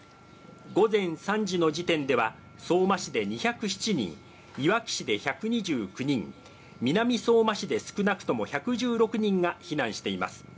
午前３時の時点では相馬市で２０７人、いわき市で１２９人、南相馬市で少なくとも１１６人が避難しています。